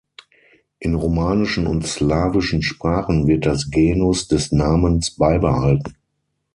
In romanischen und slawischen Sprachen wird das Genus des Namens beibehalten.